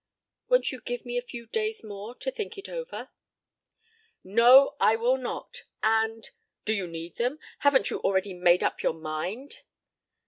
"Won't you give me a few days more to think it over?" "No, I will not. And do you need them? Haven't you already made up your mind?"